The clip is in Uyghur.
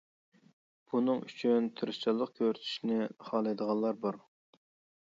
بۇنىڭ ئۈچۈن تىرىشچانلىق كۆرسىتىشنى خالايدىغانلار بار.